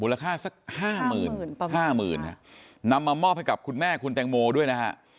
ค่าสัก๕๐๐๐นำมามอบให้กับคุณแม่คุณแตงโมด้วยนะฮะ